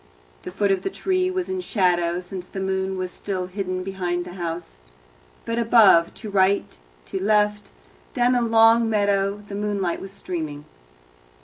The foot of the tree was in shadow, since the moon was still hidden behind the house. But above, to right, to left, down the long meadow the moonlight was streaming.